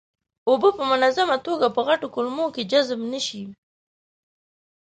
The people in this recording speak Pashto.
اوبه په منظمه توګه په غټو کولمو کې جذب نشي.